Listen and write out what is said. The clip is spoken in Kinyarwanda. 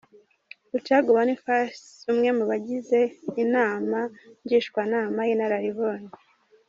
Rucagu Boniface umwe mu bagize Inama Ngishwanama y’Inararibonye.